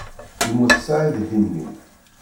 Yemmut Saɛid Ḥimi.